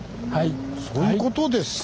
そういう事ですか。